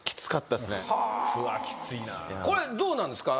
これどうなんですか？